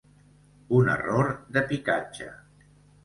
Un error de picatge.